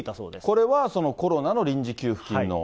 これはそのコロナの臨時給付金の。